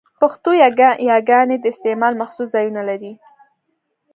پښتو يګاني د استعمال مخصوص ځایونه لري؛